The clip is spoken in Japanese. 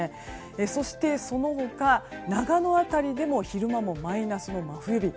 そしてその他、長野辺りでも昼間もマイナスの真冬日。